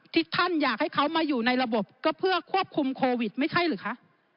ที่ท่านอยากให้เขามาอยู่ในระบบก็เพื่อควบคุมโควิดไม่ใช่หรือคะ